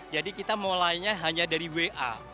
jadi kita mulainya hanya dari wa